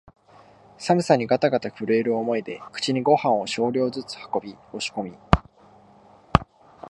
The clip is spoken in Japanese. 寒さにがたがた震える思いで口にごはんを少量ずつ運び、押し込み、